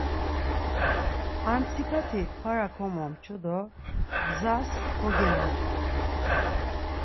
Ar mtsikati para komomçu do gzas kogemodginu.